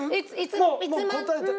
もう答えて。